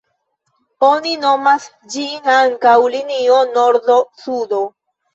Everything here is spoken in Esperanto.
Oni nomas ĝin ankaŭ linio nordo-sudo.